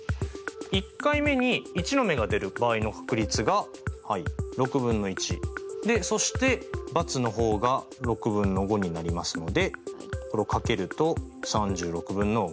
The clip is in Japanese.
１回目に１の目が出る場合の確率がはい６分の１。でそして×の方が６分の５になりますのでこれを掛けると３６分の５になる。